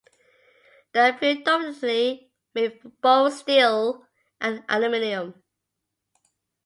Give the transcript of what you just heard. They are predominantly made from both steel and aluminium.